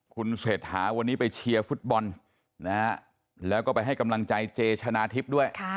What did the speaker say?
คุณเศรษฐาวันนี้ไปเชียร์ฟุตบอลนะฮะแล้วก็ไปให้กำลังใจเจชนะทิพย์ด้วย